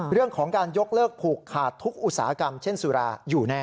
เรื่องของการยกเลิกผูกขาดทุกอุตสาหกรรมเช่นสุราอยู่แน่